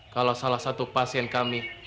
kalau salah satu pasien kami